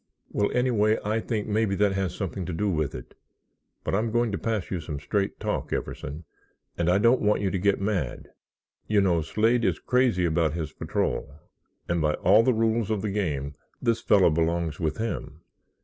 "Well, anyway, I think maybe that has something to do with it. But I'm going to pass you some straight talk, Everson, and I don't want you to get mad. You know, Slade is crazy about his patrol and by all the rules of the game this fellow belongs with him.